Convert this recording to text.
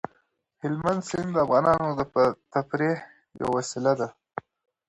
هلمند سیند د افغانانو د تفریح یوه وسیله ده.